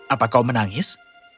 apa kau menangis